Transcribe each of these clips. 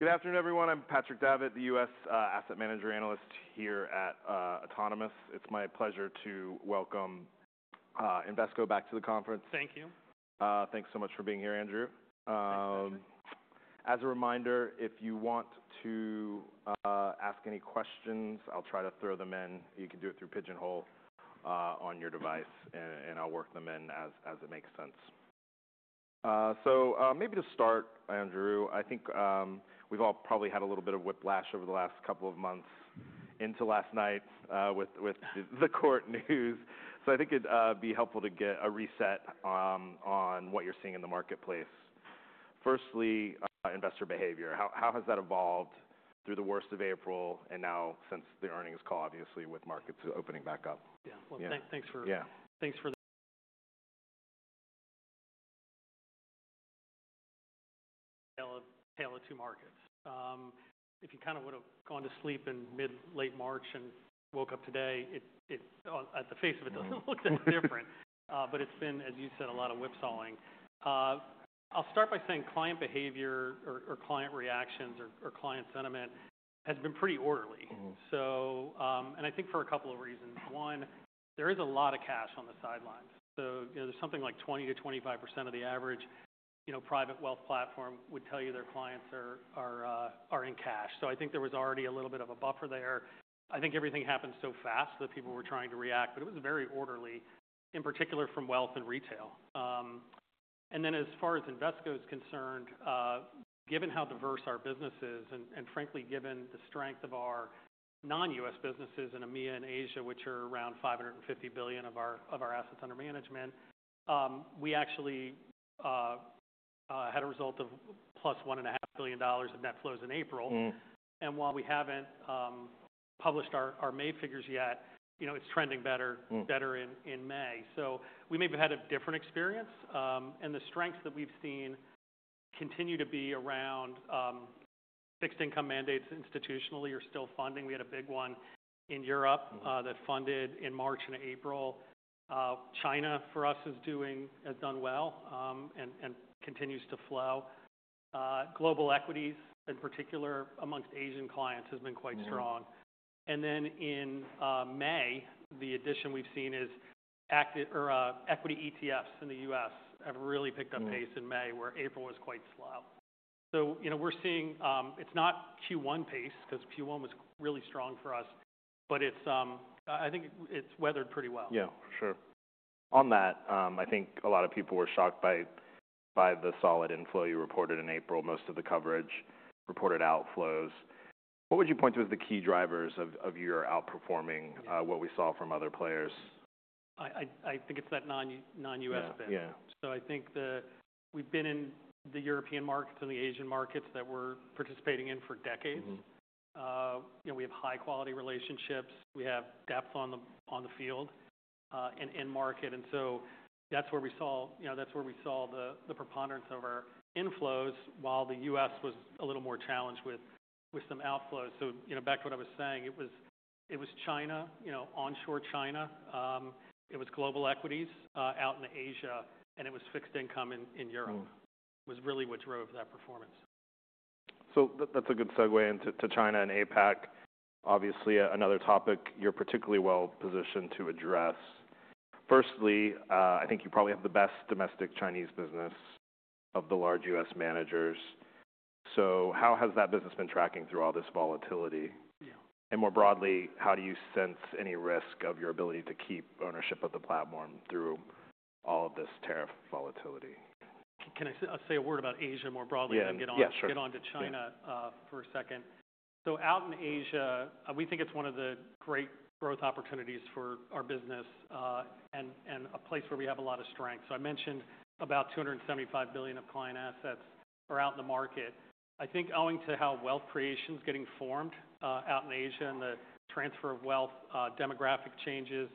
Good afternoon, everyone. I'm Patrick Davit, the U.S. Asset Manager Analyst here at Autonomous. It's my pleasure to welcome Invesco back to the conference. Thank you. Thanks so much for being here, Andrew. Absolutely. As a reminder, if you want to ask any questions, I'll try to throw them in. You can do it through Pigeonhole on your device, and I'll work them in as it makes sense. Maybe to start, Andrew, I think we've all probably had a little bit of whiplash over the last couple of months into last night with the court news. I think it'd be helpful to get a reset on what you're seeing in the marketplace. Firstly, investor behavior. How has that evolved through the worst of April and now since the earnings call, obviously, with markets opening back up? Yeah. Thanks for the tale of two markets. If you kind of would have gone to sleep in mid-late March and woke up today, at the face of it, it does not look that different. It has been, as you said, a lot of whipsawing. I will start by saying client behavior or client reactions or client sentiment has been pretty orderly. I think for a couple of reasons. One, there is a lot of cash on the sidelines. There is something like 20%-25% of the average private wealth platform would tell you their clients are in cash. I think there was already a little bit of a buffer there. I think everything happened so fast that people were trying to react, but it was very orderly, in particular from wealth and retail. As far as Invesco is concerned, given how diverse our business is and, frankly, given the strength of our non-U.S. businesses in EMEA and Asia, which are around $550 billion of our assets under management, we actually had a result of plus $1.5 billion of net flows in April. While we have not published our May figures yet, it is trending better in May. We may have had a different experience. The strengths that we have seen continue to be around fixed income mandates institutionally or still funding. We had a big one in Europe that funded in March and April. China, for us, has done well and continues to flow. Global equities, in particular, amongst Asian clients, have been quite strong. In May, the addition we have seen is equity ETFs in the U.S. have really picked up pace in May, where April was quite slow. We're seeing it's not Q1 pace because Q1 was really strong for us, but I think it's weathered pretty well. Yeah, for sure. On that, I think a lot of people were shocked by the solid inflow you reported in April, most of the coverage reported outflows. What would you point to as the key drivers of your outperforming what we saw from other players? I think it's that non-U.S. thing. I think we've been in the European markets and the Asian markets that we're participating in for decades. We have high-quality relationships. We have depth on the field and market. That's where we saw the preponderance of our inflows while the U.S. was a little more challenged with some outflows. Back to what I was saying, it was China, onshore China. It was global equities out in Asia, and it was fixed income in Europe was really what drove that performance. That's a good segue into China and APAC, obviously another topic you're particularly well positioned to address. Firstly, I think you probably have the best domestic Chinese business of the large U.S. managers. How has that business been tracking through all this volatility? More broadly, how do you sense any risk of your ability to keep ownership of the platform through all of this tariff volatility? Can I say a word about Asia more broadly and then get on to China for a second? Yeah, sure. Out in Asia, we think it's one of the great growth opportunities for our business and a place where we have a lot of strength. I mentioned about $275 billion of client assets are out in the market. I think owing to how wealth creation is getting formed out in Asia and the transfer of wealth, demographic changes,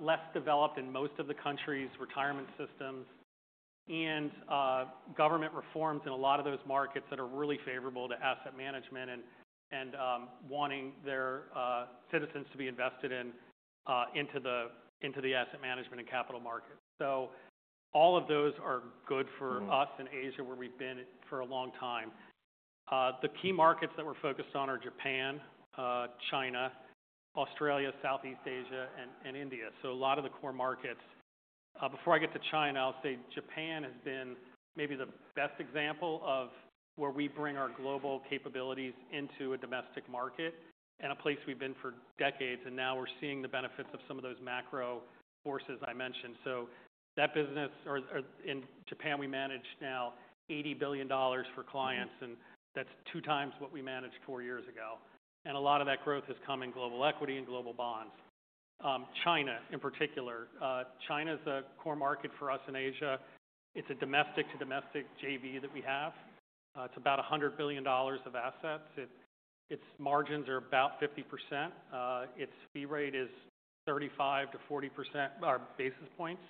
less developed in most of the countries' retirement systems, and government reforms in a lot of those markets that are really favorable to asset management and wanting their citizens to be invested into the asset management and capital markets. All of those are good for us in Asia, where we've been for a long time. The key markets that we're focused on are Japan, China, Australia, Southeast Asia, and India. A lot of the core markets. Before I get to China, I'll say Japan has been maybe the best example of where we bring our global capabilities into a domestic market and a place we've been for decades. Now we're seeing the benefits of some of those macro forces I mentioned. That business in Japan, we manage now $80 billion for clients, and that's two times what we managed four years ago. A lot of that growth has come in global equity and global bonds. China, in particular. China is a core market for us in Asia. It's a domestic-to-domestic JV that we have. It's about $100 billion of assets. Its margins are about 50%. Its fee rate is 35%-40% our basis points.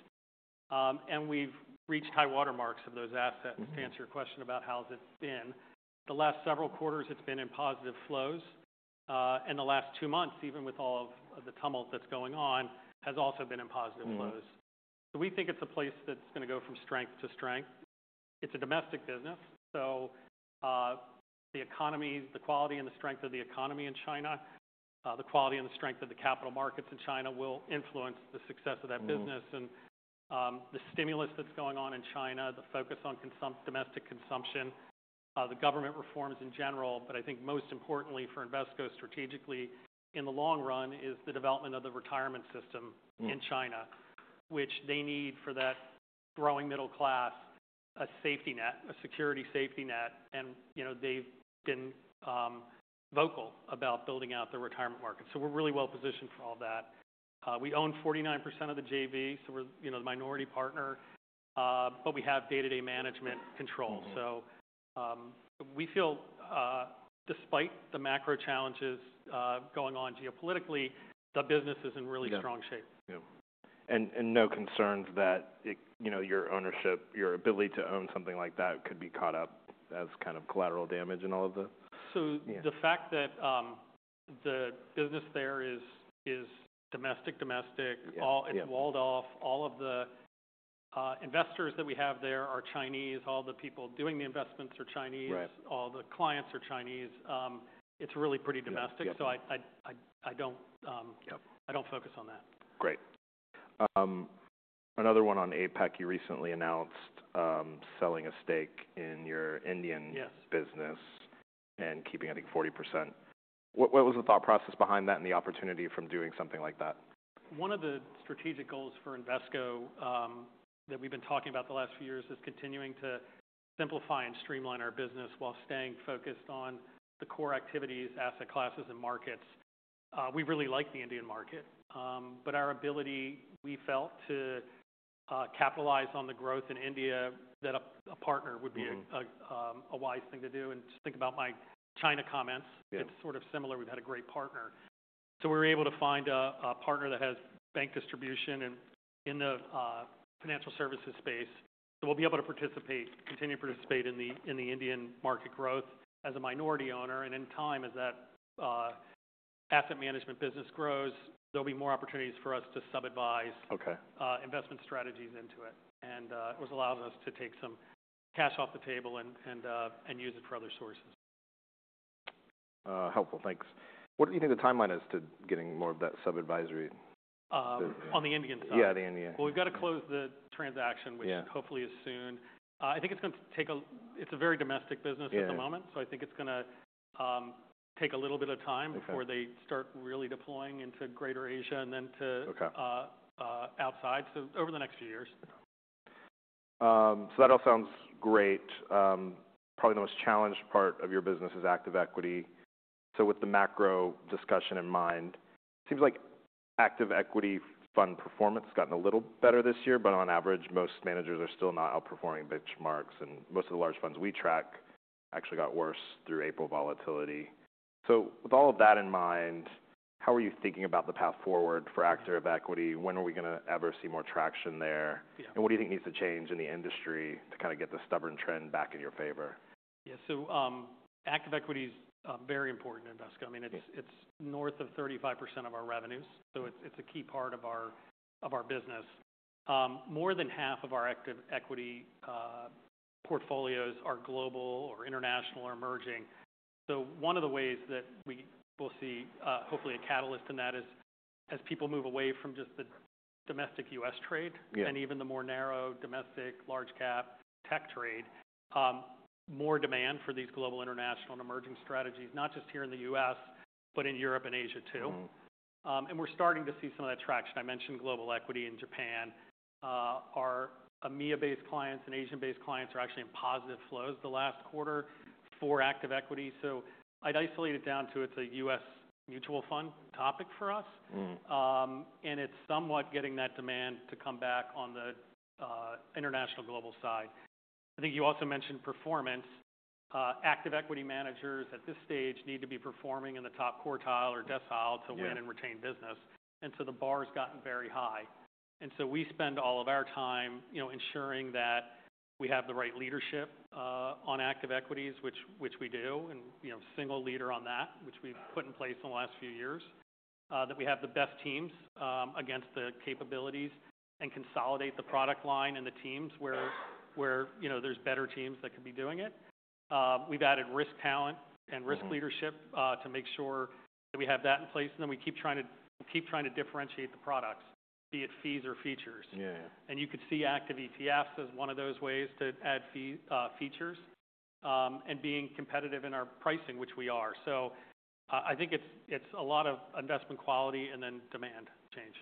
We've reached high watermarks of those assets. To answer your question about how's it been, the last several quarters, it's been in positive flows. The last two months, even with all of the tumult that's going on, has also been in positive flows. We think it's a place that's going to go from strength to strength. It's a domestic business. The economies, the quality and the strength of the economy in China, the quality and the strength of the capital markets in China will influence the success of that business. The stimulus that's going on in China, the focus on domestic consumption, the government reforms in general, but I think most importantly for Invesco strategically in the long run is the development of the retirement system in China, which they need for that growing middle class, a safety net, a security safety net. They've been vocal about building out their retirement market. We're really well positioned for all that. We own 49% of the JV, so we're the minority partner, but we have day-to-day management control. We feel, despite the macro challenges going on geopolitically, the business is in really strong shape. Yeah. No concerns that your ownership, your ability to own something like that could be caught up as kind of collateral damage in all of the. The fact that the business there is domestic, it's walled off. All of the investors that we have there are Chinese. All the people doing the investments are Chinese. All the clients are Chinese. It's really pretty domestic. I don't focus on that. Great. Another one on APAC, you recently announced selling a stake in your Indian business and keeping, I think, 40%. What was the thought process behind that and the opportunity from doing something like that? One of the strategic goals for Invesco that we've been talking about the last few years is continuing to simplify and streamline our business while staying focused on the core activities, asset classes, and markets. We really like the Indian market, but our ability, we felt, to capitalize on the growth in India, that a partner would be a wise thing to do. Just think about my China comments. It's sort of similar. We've had a great partner. We were able to find a partner that has bank distribution in the financial services space. We'll be able to continue to participate in the Indian market growth as a minority owner. In time, as that asset management business grows, there'll be more opportunities for us to sub-advise investment strategies into it. It was allowing us to take some cash off the table and use it for other sources. Helpful. Thanks. What do you think the timeline is to getting more of that sub-advisory? On the Indian side? Yeah, the Indian. We have got to close the transaction, which hopefully is soon. I think it is going to take a—it is a very domestic business at the moment. I think it is going to take a little bit of time before they start really deploying into greater Asia and then to outside. Over the next few years. That all sounds great. Probably the most challenged part of your business is active equity. With the macro discussion in mind, it seems like active equity fund performance has gotten a little better this year, but on average, most managers are still not outperforming benchmarks. Most of the large funds we track actually got worse through April volatility. With all of that in mind, how are you thinking about the path forward for active equity? When are we going to ever see more traction there? What do you think needs to change in the industry to kind of get the stubborn trend back in your favor? Yeah. Active equity is very important in Invesco. I mean, it's north of 35% of our revenues. It is a key part of our business. More than half of our active equity portfolios are global or international or emerging. One of the ways that we will see hopefully a catalyst in that is as people move away from just the domestic U.S. trade and even the more narrow domestic large-cap tech trade, more demand for these global international and emerging strategies, not just here in the U.S., but in Europe and Asia too. We're starting to see some of that traction. I mentioned global equity in Japan. Our EMEA-based clients and Asian-based clients are actually in positive flows the last quarter for active equity. I'd isolate it down to it's a U.S. mutual fund topic for us. It is somewhat getting that demand to come back on the international global side. I think you also mentioned performance. Active equity managers at this stage need to be performing in the top quartile or decile to win and retain business. The bar has gotten very high. We spend all of our time ensuring that we have the right leadership on active equities, which we do, and a single leader on that, which we have put in place in the last few years, that we have the best teams against the capabilities and consolidate the product line and the teams where there are better teams that could be doing it. We have added risk talent and risk leadership to make sure that we have that in place. We keep trying to differentiate the products, be it fees or features. You could see active ETFs as one of those ways to add features and being competitive in our pricing, which we are. I think it's a lot of investment quality and then demand change.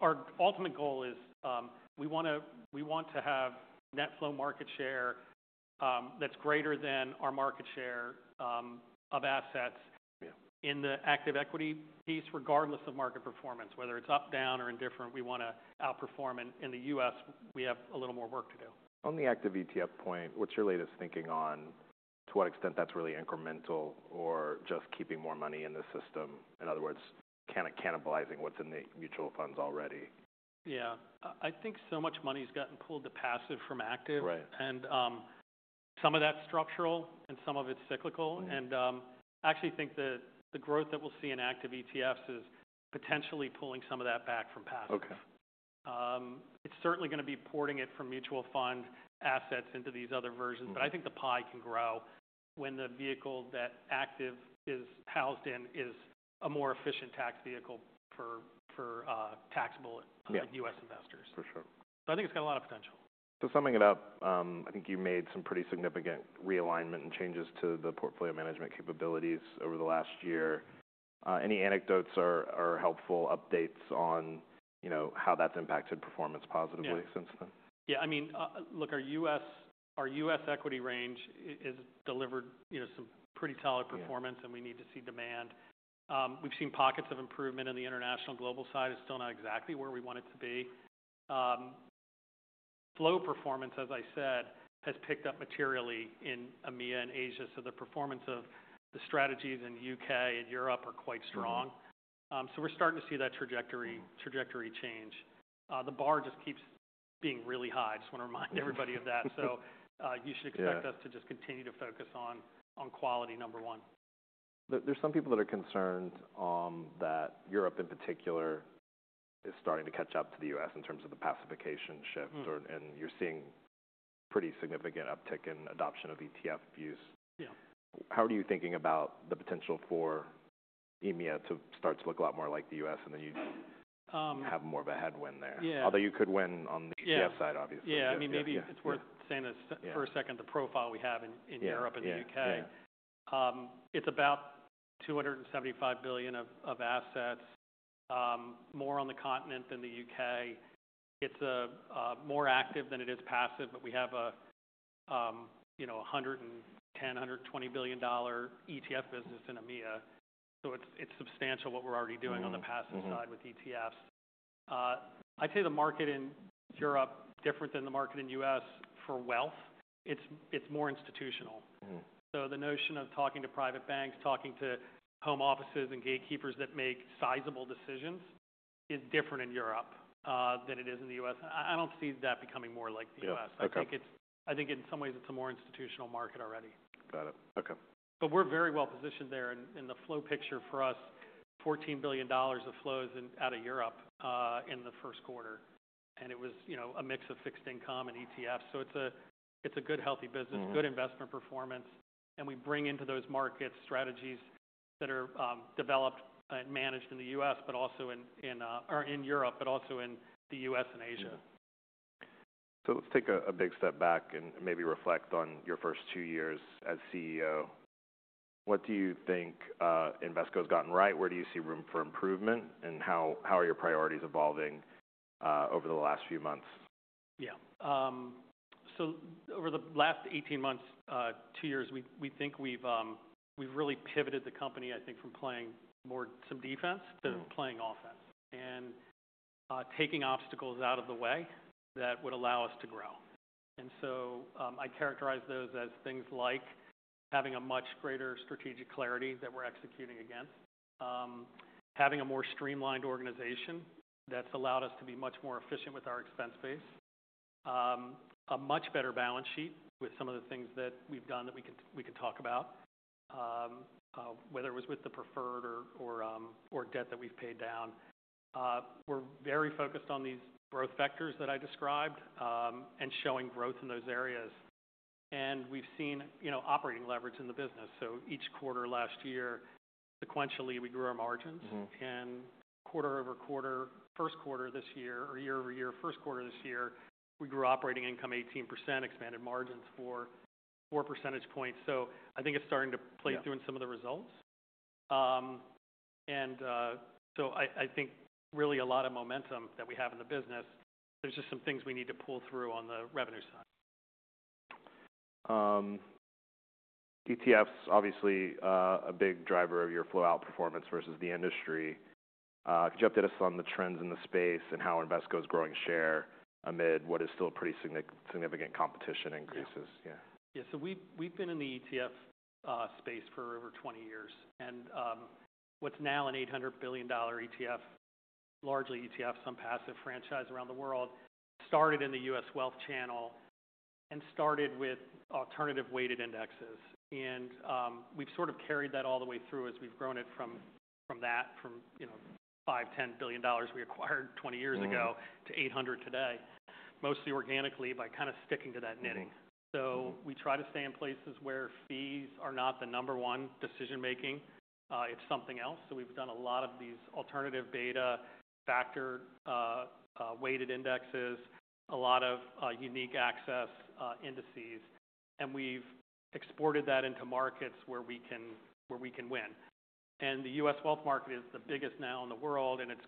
Our ultimate goal is we want to have net flow market share that's greater than our market share of assets in the active equity piece, regardless of market performance, whether it's up, down, or indifferent. We want to outperform. In the U.S., we have a little more work to do. On the active ETF point, what's your latest thinking on to what extent that's really incremental or just keeping more money in the system? In other words, cannibalizing what's in the mutual funds already? Yeah. I think so much money has gotten pulled to passive from active. Some of that is structural and some of it is cyclical. I actually think that the growth that we will see in active ETFs is potentially pulling some of that back from passive. It is certainly going to be porting it from mutual fund assets into these other versions. I think the pie can grow when the vehicle that active is housed in is a more efficient tax vehicle for taxable U.S. investors. For sure. I think it's got a lot of potential. Summing it up, I think you made some pretty significant realignment and changes to the portfolio management capabilities over the last year. Any anecdotes or helpful updates on how that's impacted performance positively since then? Yeah. I mean, look, our U.S. equity range has delivered some pretty solid performance, and we need to see demand. We've seen pockets of improvement in the international global side. It's still not exactly where we want it to be. Flow performance, as I said, has picked up materially in EMEA and Asia. The performance of the strategies in the U.K. and Europe are quite strong. We're starting to see that trajectory change. The bar just keeps being really high. I just want to remind everybody of that. You should expect us to just continue to focus on quality, number one. Are some people concerned that Europe, in particular, is starting to catch up to the U.S. in terms of the pacification shift? And you are seeing a pretty significant uptick in adoption of ETF use. How are you thinking about the potential for EMEA to start to look a lot more like the U.S., and then you have more of a headwind there? Although you could win on the ETF side, obviously. Yeah. I mean, maybe it's worth saying for a second the profile we have in Europe and the U.K. It's about $275 billion of assets, more on the continent than the U.K. It's more active than it is passive. But we have a $110-$120 billion ETF business in EMEA. It's substantial what we're already doing on the passive side with ETFs. I'd say the market in Europe is different than the market in the U.S. for wealth. It's more institutional. The notion of talking to private banks, talking to home offices and gatekeepers that make sizable decisions is different in Europe than it is in the U.S. I don't see that becoming more like the U.S. I think in some ways it's a more institutional market already. Got it. Okay. We are very well positioned there. The flow picture for us: $14 billion of flows out of Europe in the first quarter. It was a mix of fixed income and ETFs. It is a good, healthy business with good investment performance. We bring into those markets strategies that are developed and managed in the U.S., Europe, and Asia. Let's take a big step back and maybe reflect on your first two years as CEO. What do you think Invesco has gotten right? Where do you see room for improvement? How are your priorities evolving over the last few months? Yeah. Over the last 18 months, two years, we think we've really pivoted the company, I think, from playing more some defense to playing offense and taking obstacles out of the way that would allow us to grow. I characterize those as things like having a much greater strategic clarity that we're executing against, having a more streamlined organization that's allowed us to be much more efficient with our expense base, a much better balance sheet with some of the things that we've done that we can talk about, whether it was with the preferred or debt that we've paid down. We're very focused on these growth vectors that I described and showing growth in those areas. We've seen operating leverage in the business. Each quarter last year, sequentially, we grew our margins. Quarter over quarter, or year over year for the first quarter this year, we grew operating income 18% and expanded margins by 4 percentage points. I think it is starting to play through in some of the results. There is a lot of momentum in the business, but some things still need to pull through on the revenue side. ETFs are obviously a big driver of your flow-out performance versus the industry. Could you update us on the trends in the space and how Invesco is growing its share amid significant competition? We have been in the ETF space for over 20 years. The current ETF market is about $800 billion, largely ETFs with some passive franchises around the world. It started in the U.S. wealth channel with alternative-weighted indexes. We have grown it from $5–$10 billion 20 years ago to $800 billion today, mostly organically, by sticking to our strategy. We focus on areas where fees are not the primary decision factor. We have done many alternative beta factor-weighted indexes and unique access indices, exporting them to markets where we can succeed. The U.S. wealth market is now the largest and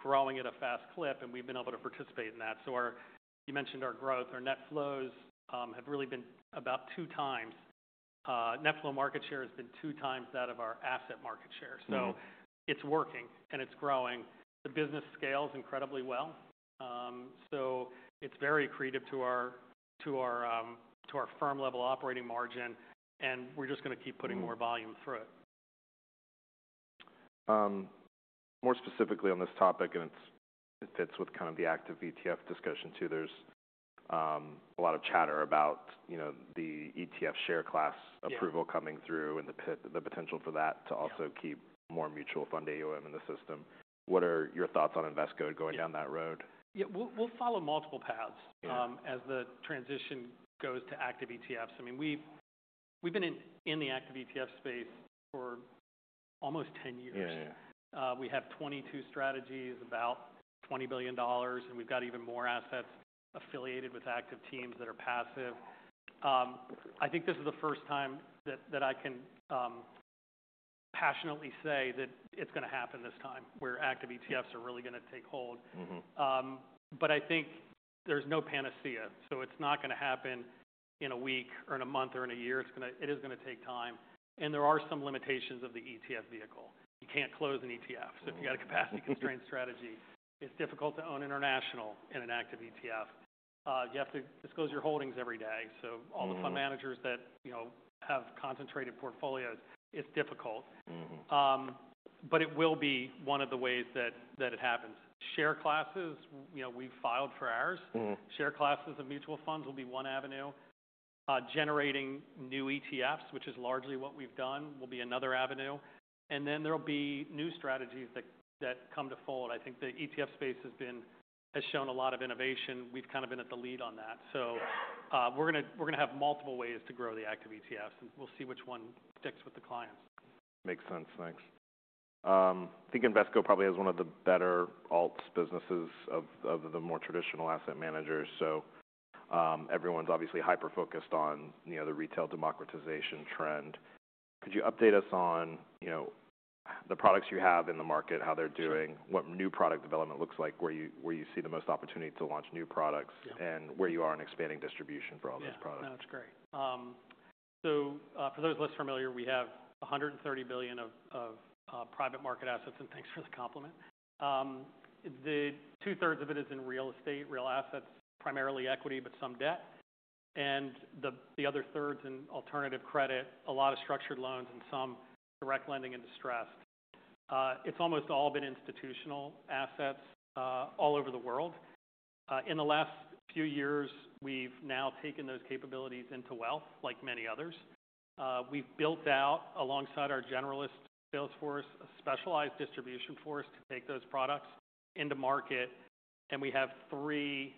growing rapidly, and we have been able to participate. Our net flows have been about twice our asset market share. It is working and growing. The business scales very well and is highly accretive to our firm-level operating margin. We will continue to put more volume through it. More specifically on this topic, which relates to the active ETF discussion, there is much discussion about ETF share class approvals and the potential to retain more mutual fund AUM. What are your thoughts on Invesco pursuing that path? Yeah. We'll follow multiple paths as the transition goes to active ETFs. I mean, we've been in the active ETF space for almost 10 years. We have 22 strategies, about $20 billion. And we've got even more assets affiliated with active teams that are passive. I think this is the first time that I can passionately say that it's going to happen this time where active ETFs are really going to take hold. I think there's no panacea. It is not going to happen in a week or in a month or in a year. It is going to take time. There are some limitations of the ETF vehicle. You can't close an ETF. If you've got a capacity-constrained strategy, it's difficult to own international in an active ETF. You have to disclose your holdings every day. All the fund managers that have concentrated portfolios, it's difficult. It will be one of the ways that it happens. Share classes, we've filed for ours. Share classes of mutual funds will be one avenue. Generating new ETFs, which is largely what we've done, will be another avenue. There'll be new strategies that come to fold. I think the ETF space has shown a lot of innovation. We've kind of been at the lead on that. We're going to have multiple ways to grow the active ETFs. We'll see which one sticks with the clients. Makes sense, thanks. I think Invesco probably has one of the better alternative businesses among traditional asset managers. Everyone is clearly focused on the retail democratization trend. Could you update us on the products in the market, their performance, new product development, the best opportunities to launch new products, and your progress in expanding distribution for these products? For those less familiar, we have $130 billion in private market assets. Two-thirds is in real estate and real assets, primarily equity with some debt. The remaining third is in alternative credit, including structured loans, direct lending, and distressed assets. Most of these were institutional assets globally. Recently, we brought these capabilities into wealth. Alongside our generalist sales force, we built a specialized distribution team. We have three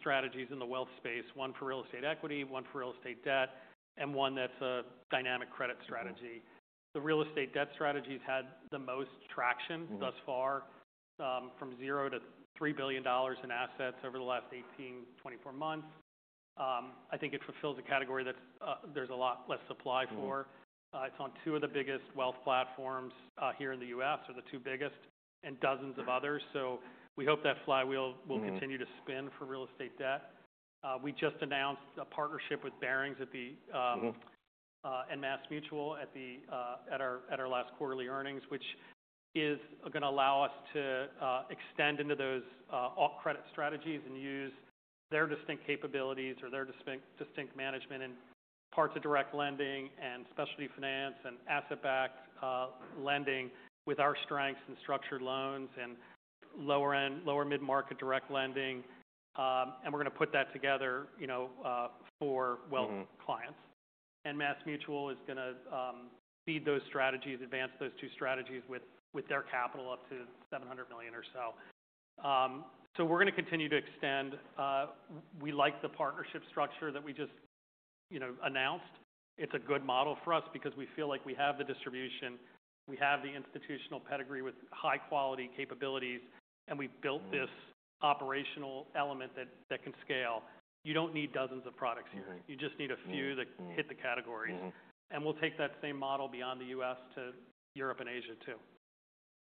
strategies in wealth: real estate equity, real estate debt, and a dynamic credit strategy. The real estate debt strategy has grown from $0 to $3 billion over 18-24 months. This strategy fills a category with limited supply. It is on the two largest wealth platforms in the U.S., plus dozens of others. We hope this flywheel continues for real estate debt. We announced a partnership with Barings and MassMutual to expand into alternative credit strategies, leveraging their capabilities in direct lending, specialty finance, and asset-backed lending along with our strengths in structured loans and lower mid-market direct lending. MassMutual will contribute up to ~$700 million in capital. We like the partnership structure that we just announced. It is a good model for us because we feel like we have the distribution. We have the institutional pedigree with high-quality capabilities. We have built this operational element that can scale. You do not need dozens of products here. You just need a few that hit the categories. We will take that same model beyond the U.S. to Europe and Asia too.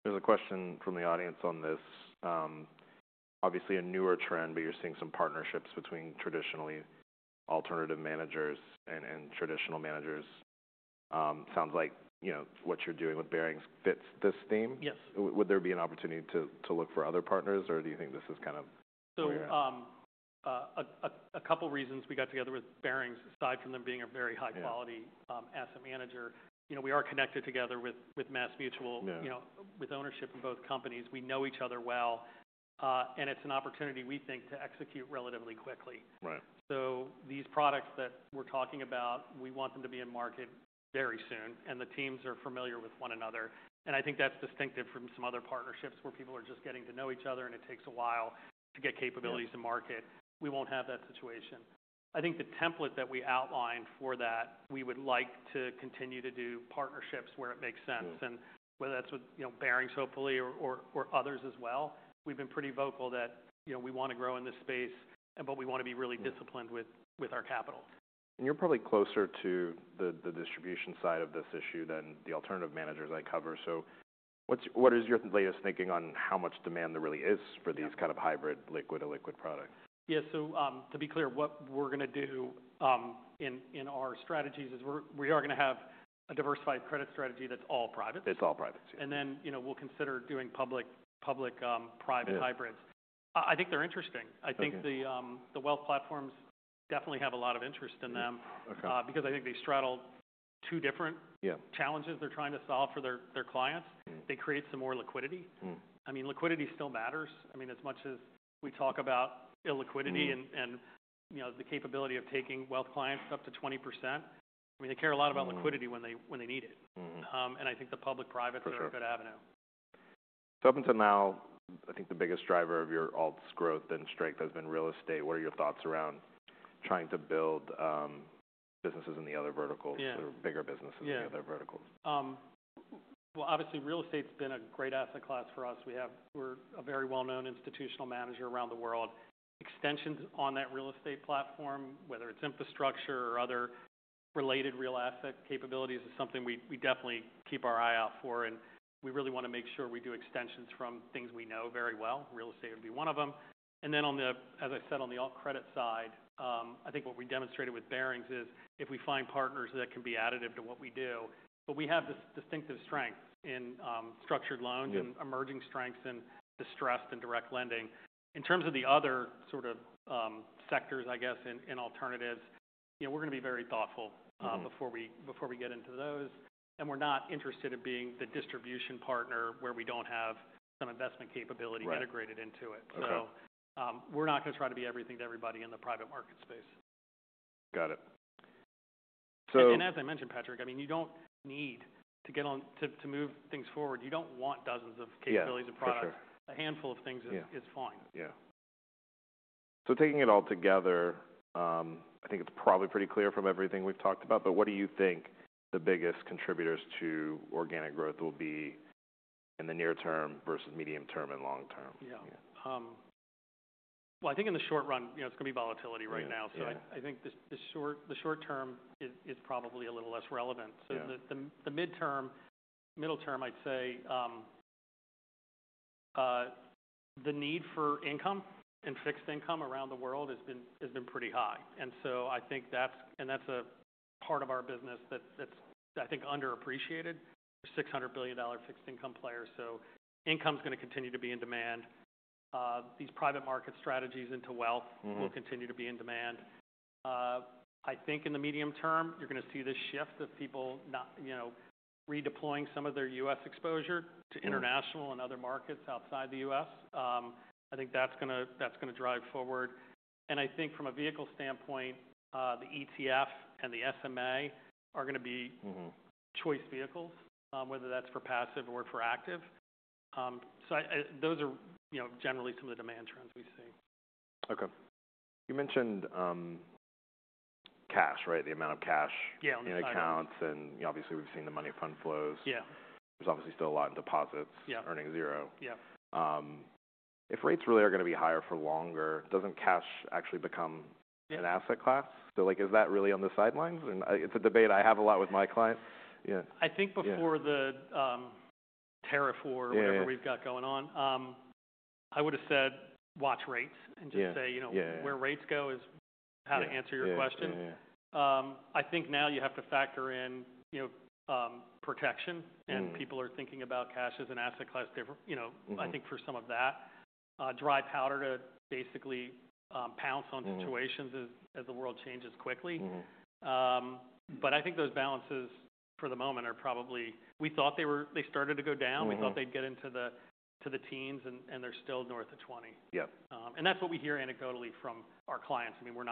There's a question from the audience on this. Obviously, a newer trend, but you're seeing some partnerships between traditionally alternative managers and traditional managers. Sounds like what you're doing with Barings fits this theme. Yes. Would there be an opportunity to look for other partners, or do you think this is kind of where you're? A couple of reasons we got together with Barings, aside from them being a very high-quality asset manager. We are connected together with MassMutual, with ownership in both companies. We know each other well. It is an opportunity, we think, to execute relatively quickly. These products that we are talking about, we want them to be in market very soon. The teams are familiar with one another. I think that is distinctive from some other partnerships where people are just getting to know each other, and it takes a while to get capabilities to market. We will not have that situation. I think the template that we outlined for that, we would like to continue to do partnerships where it makes sense. Whether that's with Barings, hopefully, or others as well, we've been pretty vocal that we want to grow in this space, but we want to be really disciplined with our capital. You are likely closer to the distribution side than the alternative managers I cover. What is your current view on the real demand for these hybrid liquid-to-liquid products? Yeah. To be clear, what we're going to do in our strategies is we are going to have a diversified credit strategy that's all private. It's all private too. We'll consider doing public-private hybrids. I think they're interesting. I think the wealth platforms definitely have a lot of interest in them because I think they straddle two different challenges they're trying to solve for their clients. They create some more liquidity. I mean, liquidity still matters. I mean, as much as we talk about illiquidity and the capability of taking wealth clients up to 20%, I mean, they care a lot about liquidity when they need it. I think the public-private's a good avenue. Up until now, I think the biggest driver of your alts growth and strength has been real estate. What are your thoughts around trying to build businesses in the other verticals, bigger businesses in the other verticals? Yeah. Obviously, real estate's been a great asset class for us. We're a very well-known institutional manager around the world. Extensions on that real estate platform, whether it's infrastructure or other related real asset capabilities, is something we definitely keep our eye out for. We really want to make sure we do extensions from things we know very well. Real estate would be one of them. As I said, on the alt credit side, I think what we demonstrated with Barings is if we find partners that can be additive to what we do. We have this distinctive strength in structured loans and emerging strengths in distressed and direct lending. In terms of the other sort of sectors, I guess, and alternatives, we're going to be very thoughtful before we get into those. We're not interested in being the distribution partner where we don't have some investment capability integrated into it. We're not going to try to be everything to everybody in the private market space. Got it. So. As I mentioned, Patrick, I mean, you do not need to move things forward. You do not want dozens of capabilities of products. A handful of things is fine. Yeah. Taking it all together, I think it's probably pretty clear from everything we've talked about. What do you think the biggest contributors to organic growth will be in the near term versus medium term and long term? Yeah. I think in the short run, it's going to be volatility right now. I think the short term is probably a little less relevant. The mid-term, middle term, I'd say the need for income and fixed income around the world has been pretty high. I think that's a part of our business that's, I think, underappreciated. We're a $600 billion fixed income player. Income's going to continue to be in demand. These private market strategies into wealth will continue to be in demand. I think in the medium term, you're going to see this shift of people redeploying some of their U.S. exposure to international and other markets outside the U.S. I think that's going to drive forward. I think from a vehicle standpoint, the ETF and the SMA are going to be choice vehicles, whether that's for passive or for active. Those are generally some of the demand trends we see. Okay. You mentioned cash, right? The amount of cash in accounts. Obviously, we've seen the money fund flows. There's obviously still a lot in deposits, earning zero. If rates really are going to be higher for longer, doesn't cash actually become an asset class? Is that really on the sidelines? It's a debate I have a lot with my clients. I think before the tariff war or whatever we have got going on, I would have said, "Watch rates." Just say, "Where rates go is how to answer your question." I think now you have to factor in protection. People are thinking about cash as an asset class, I think, for some of that. Dry powder to basically pounce on situations as the world changes quickly. I think those balances for the moment are probably we thought they started to go down. We thought they would get into the teens, and they are still north of 20. That is what we hear anecdotally from our clients. I mean, we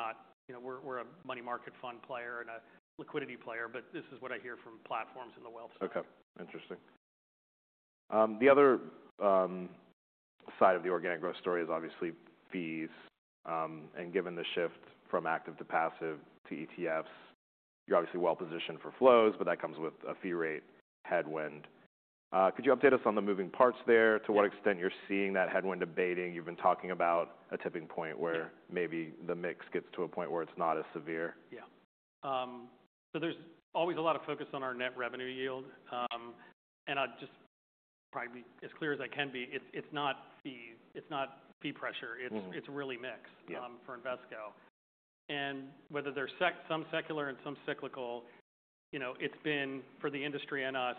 are a money market fund player and a liquidity player. This is what I hear from platforms in the wealth side. Okay. Interesting. The other side of the organic growth story is obviously fees. Given the shift from active to passive to ETFs, you're obviously well-positioned for flows. That comes with a fee rate headwind. Could you update us on the moving parts there? To what extent you're seeing that headwind abating? You've been talking about a tipping point where maybe the mix gets to a point where it's not as severe. Yeah. There is always a lot of focus on our net revenue yield. I'll just try to be as clear as I can be. It is not fees. It is not fee pressure. It is really mix for Invesco. Whether they are some secular and some cyclical, it has been, for the industry and us,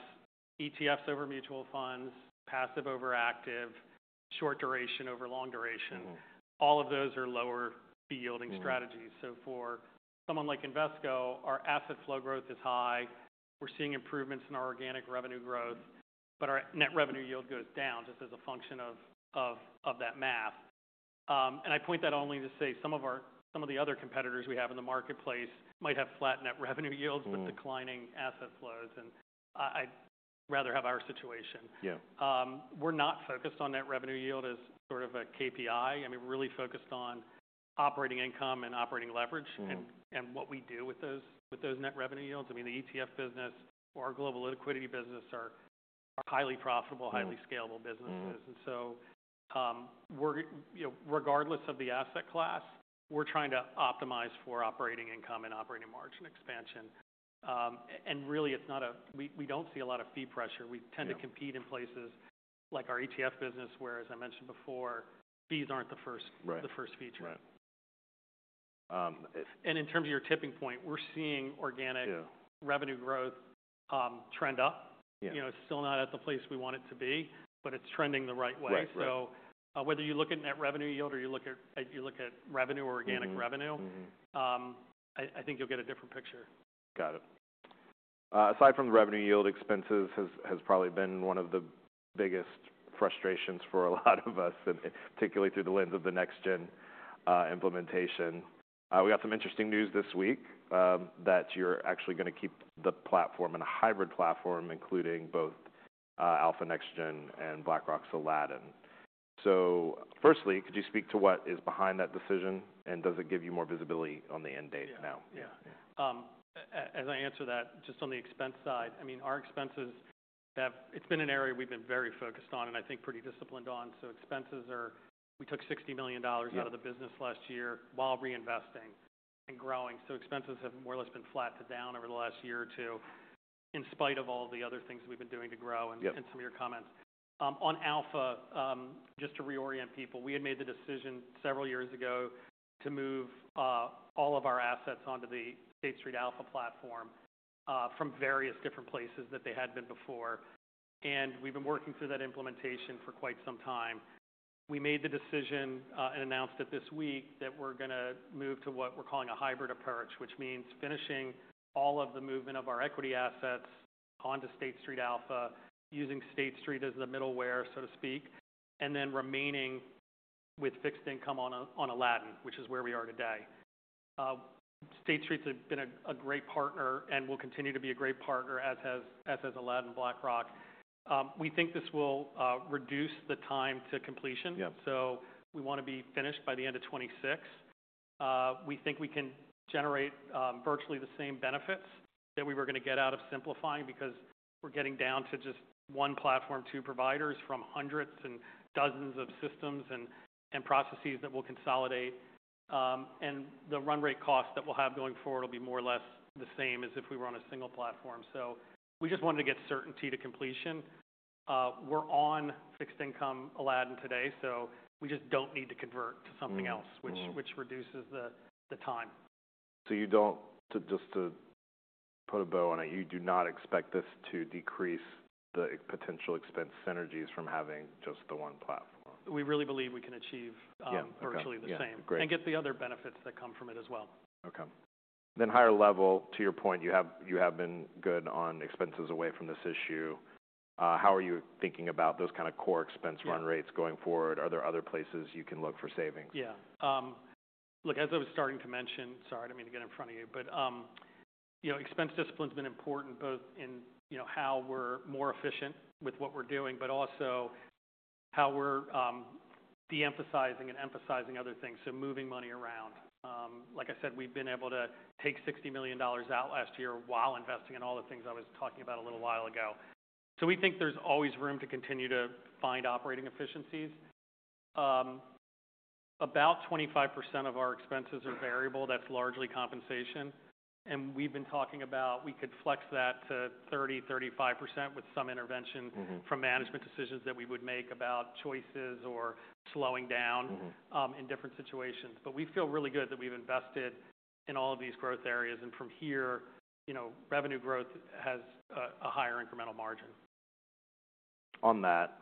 ETFs over mutual funds, passive over active, short duration over long duration. All of those are lower fee yielding strategies. For someone like Invesco, our asset flow growth is high. We are seeing improvements in our organic revenue growth. Our net revenue yield goes down just as a function of that math. I point that out only to say some of the other competitors we have in the marketplace might have flat net revenue yields with declining asset flows. I would rather have our situation. We are not focused on net revenue yield as sort of a KPI. I mean, we're really focused on operating income and operating leverage and what we do with those net revenue yields. I mean, the ETF business or our global liquidity business are highly profitable, highly scalable businesses. Regardless of the asset class, we're trying to optimize for operating income and operating margin expansion. Really, we do not see a lot of fee pressure. We tend to compete in places like our ETF business where, as I mentioned before, fees are not the first feature. Right. In terms of your tipping point, we're seeing organic revenue growth trend up. It's still not at the place we want it to be, but it's trending the right way. Whether you look at net revenue yield or you look at revenue or organic revenue, I think you'll get a different picture. Got it. Aside from the revenue yield, expenses has probably been one of the biggest frustrations for a lot of us, particularly through the lens of the NextGen implementation. We got some interesting news this week that you're actually going to keep the platform in a hybrid platform, including both Alpha NextGen and BlackRock's Aladdin. Firstly, could you speak to what is behind that decision? Does it give you more visibility on the end date now? Yeah. As I answer that, just on the expense side, I mean, our expenses, it's been an area we've been very focused on and I think pretty disciplined on. Expenses are, we took $60 million out of the business last year while reinvesting and growing. Expenses have more or less been flat to down over the last year or two, in spite of all the other things we've been doing to grow and some of your comments. On Alpha, just to reorient people, we had made the decision several years ago to move all of our assets onto the State Street Alpha platform from various different places that they had been before. We have been working through that implementation for quite some time. We made the decision and announced it this week that we're going to move to what we're calling a hybrid approach, which means finishing all of the movement of our equity assets onto State Street Alpha, using State Street as the middleware, so to speak, and then remaining with fixed income on Aladdin, which is where we are today. State Street's been a great partner and will continue to be a great partner, as has Aladdin and BlackRock. We think this will reduce the time to completion. We want to be finished by the end of 2026. We think we can generate virtually the same benefits that we were going to get out of simplifying because we're getting down to just one platform, two providers from hundreds and dozens of systems and processes that will consolidate. The run rate cost that we'll have going forward will be more or less the same as if we were on a single platform. We just wanted to get certainty to completion. We're on fixed income Aladdin today. We just don't need to convert to something else, which reduces the time. Just to put a bow on it, you do not expect this to decrease the potential expense synergies from having just the one platform? We really believe we can achieve virtually the same and get the other benefits that come from it as well. Okay. Then higher level, to your point, you have been good on expenses away from this issue. How are you thinking about those kind of core expense run rates going forward? Are there other places you can look for savings? Yeah. Look, as I was starting to mention, sorry, I didn't mean to get in front of you. But expense discipline's been important both in how we're more efficient with what we're doing, but also how we're de-emphasizing and emphasizing other things, so moving money around. Like I said, we've been able to take $60 million out last year while investing in all the things I was talking about a little while ago. We think there's always room to continue to find operating efficiencies. About 25% of our expenses are variable. That's largely compensation. We've been talking about we could flex that to 30-35% with some intervention from management decisions that we would make about choices or slowing down in different situations. We feel really good that we've invested in all of these growth areas. From here, revenue growth has a higher incremental margin. On that,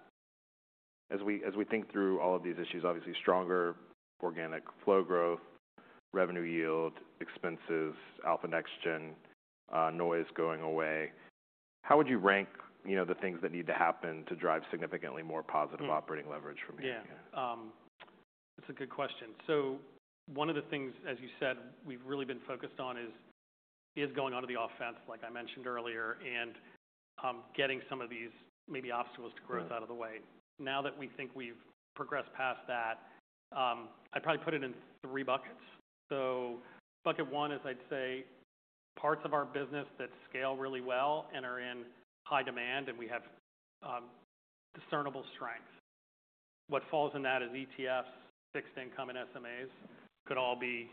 as we think through all of these issues, obviously stronger organic flow growth, revenue yield, expenses, Alpha NextGen, noise going away, how would you rank the things that need to happen to drive significantly more positive operating leverage from here? Yeah. That's a good question. One of the things, as you said, we've really been focused on is going onto the offense, like I mentioned earlier, and getting some of these maybe obstacles to growth out of the way. Now that we think we've progressed past that, I'd probably put it in three buckets. Bucket one is, I'd say, parts of our business that scale really well and are in high demand and we have discernible strength. What falls in that is ETFs, fixed income, and SMAs could all be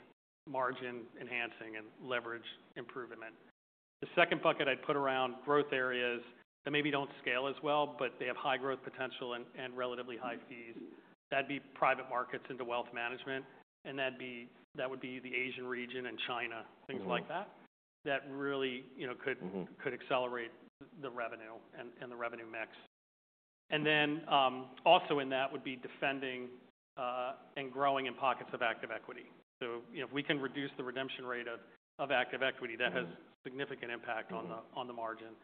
margin enhancing and leverage improvement. The second bucket I'd put around growth areas that maybe do not scale as well, but they have high growth potential and relatively high fees. That would be private markets into wealth management. That would be the Asian region and China, things like that, that really could accelerate the revenue and the revenue mix. In that would be defending and growing in pockets of active equity. If we can reduce the redemption rate of active equity, that has significant impact on the margin.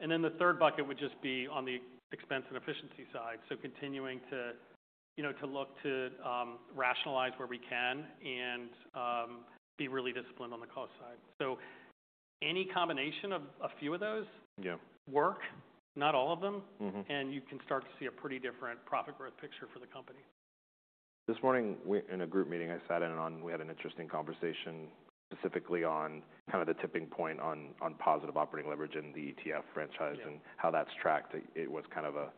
The third bucket would just be on the expense and efficiency side. Continuing to look to rationalize where we can and be really disciplined on the cost side. Any combination of a few of those work, not all of them. You can start to see a pretty different profit growth picture for the company. This morning in a group meeting, I sat in and we had an interesting conversation specifically on kind of the tipping point on positive operating leverage in the ETF franchise and how that's tracked. It was kind of a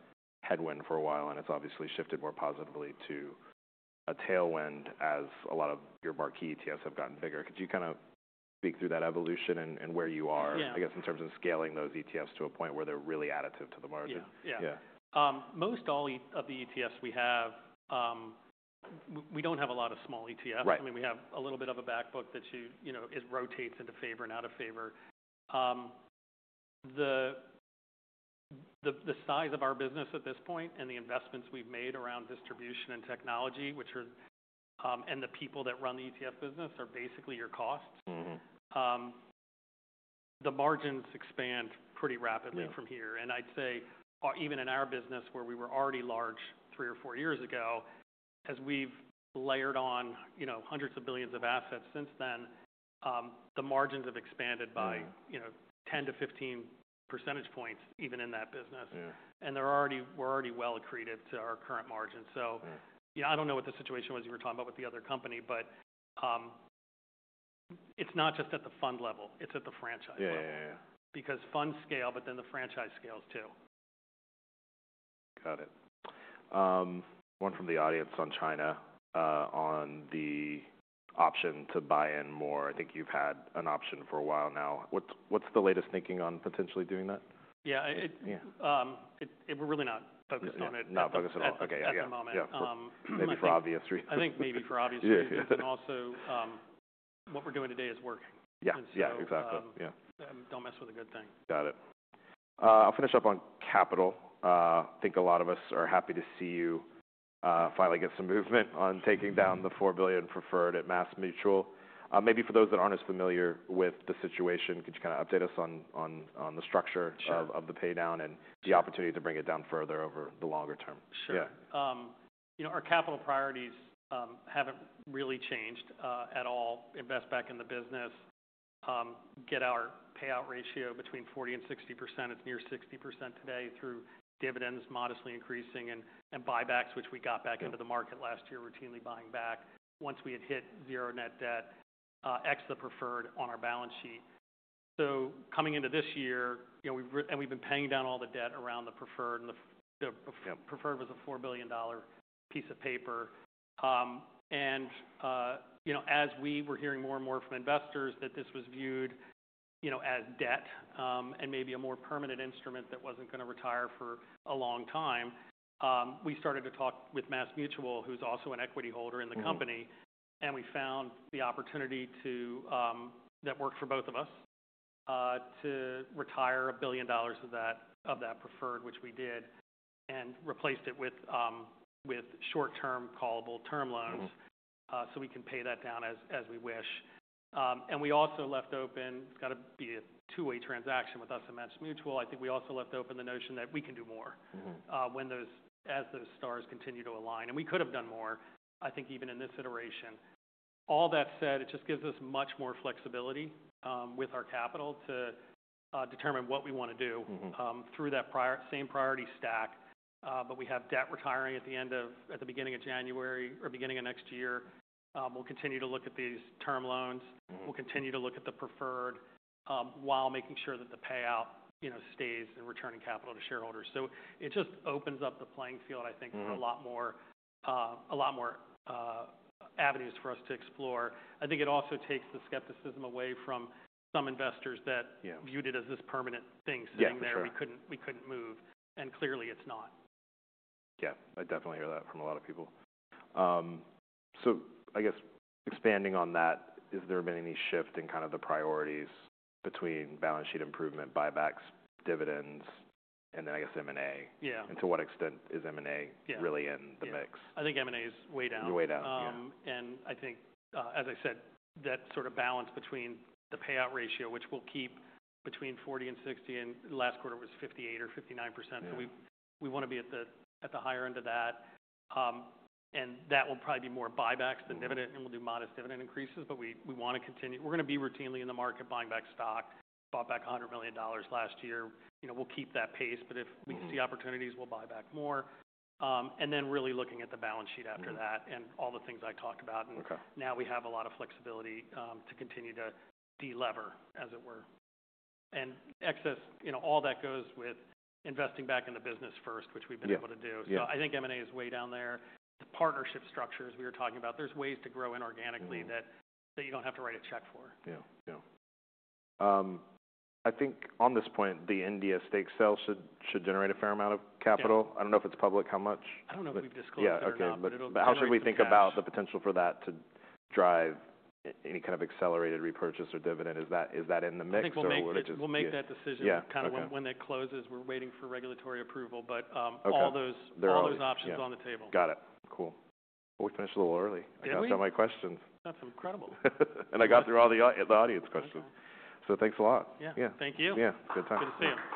headwind for a while. It has obviously shifted more positively to a tailwind as a lot of your marquee ETFs have gotten bigger. Could you kind of speak through that evolution and where you are, I guess, in terms of scaling those ETFs to a point where they're really additive to the margin? Yeah. Most all of the ETFs we have, we do not have a lot of small ETFs. I mean, we have a little bit of a backbook that rotates into favor and out of favor. The size of our business at this point and the investments we have made around distribution and technology, which are, and the people that run the ETF business are basically your costs. The margins expand pretty rapidly from here. I would say even in our business, where we were already large three or four years ago, as we have layered on hundreds of billions of assets since then, the margins have expanded by 10-15 percentage points even in that business. We are already well accretive to our current margin. I do not know what the situation was you were talking about with the other company. It is not just at the fund level. It's at the franchise level. Because funds scale, but then the franchise scales too. Got it. One from the audience on China, on the option to buy in more. I think you've had an option for a while now. What's the latest thinking on potentially doing that? Yeah. We're really not focused on it at the moment. Not focused at all. Okay. Yeah. Maybe for obvious reasons. I think maybe for obvious reasons. Also, what we're doing today is working, so do not mess with a good thing. Got it. I'll finish up on capital. I think a lot of us are happy to see you finally get some movement on taking down the $4 billion preferred at MassMutual. Maybe for those that aren't as familiar with the situation, could you kind of update us on the structure of the paydown and the opportunity to bring it down further over the longer term? Sure. Our capital priorities have not really changed at all. Invest back in the business, get our payout ratio between 40% and 60%. It is near 60% today through dividends modestly increasing and buybacks, which we got back into the market last year, routinely buying back once we had hit zero net debt, ex the preferred on our balance sheet. Coming into this year, and we have been paying down all the debt around the preferred. The preferred was a $4 billion piece of paper. As we were hearing more and more from investors that this was viewed as debt and maybe a more permanent instrument that was not going to retire for a long time, we started to talk with MassMutual, who is also an equity holder in the company. We found the opportunity that worked for both of us to retire $1 billion of that preferred, which we did, and replaced it with short-term callable term loans so we can pay that down as we wish. We also left open, it has to be a two-way transaction with us and MassMutual. I think we also left open the notion that we can do more as those stars continue to align. We could have done more, I think, even in this iteration. All that said, it just gives us much more flexibility with our capital to determine what we want to do through that same priority stack. We have debt retiring at the beginning of January or beginning of next year. We will continue to look at these term loans. We'll continue to look at the preferred while making sure that the payout stays and returning capital to shareholders. It just opens up the playing field, I think, for a lot more avenues for us to explore. I think it also takes the skepticism away from some investors that viewed it as this permanent thing sitting there we couldn't move. Clearly, it's not. Yeah. I definitely hear that from a lot of people. I guess expanding on that, has there been any shift in kind of the priorities between balance sheet improvement, buybacks, dividends, and then I guess M&A? To what extent is M&A really in the mix? I think M&A is way down. I think, as I said, that sort of balance between the payout ratio, which we'll keep between 40% and 60%, and last quarter was 58% or 59%. We want to be at the higher end of that. That will probably be more buybacks than dividend, and we'll do modest dividend increases. We want to continue, we're going to be routinely in the market buying back stock. Bought back $100 million last year. We'll keep that pace. If we see opportunities, we'll buy back more. Really looking at the balance sheet after that and all the things I talked about. Now we have a lot of flexibility to continue to de-lever, as it were. All that goes with investing back in the business first, which we've been able to do. I think M&A is way down there. The partnership structures we were talking about, there's ways to grow inorganically that you don't have to write a check for. Yeah. Yeah. I think on this point, the NDS stake sale should generate a fair amount of capital. I don't know if it's public how much. I don't know if we've disclosed that. Yeah. Okay. How should we think about the potential for that to drive any kind of accelerated repurchase or dividend? Is that in the mix? I think we'll make that decision kind of when that closes. We're waiting for regulatory approval. All those options are on the table. Got it. Cool. We finished a little early. I got to all my questions. That's incredible. I got through all the audience questions. Thanks a lot. Yeah. Thank you. Yeah. Good time. Good to see you.